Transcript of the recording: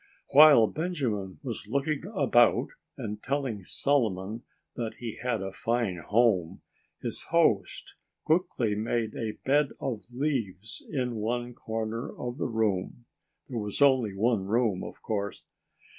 While Benjamin was looking about and telling Solomon that he had a fine home, his host quickly made a bed of leaves in one corner of the room—there was only one room, of course.